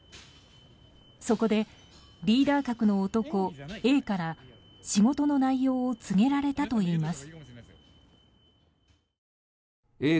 そこで、リーダー格の男Ａから仕事の内容を告げられたといいます。